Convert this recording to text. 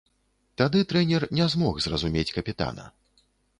Тады трэнер не змог зразумець капітана.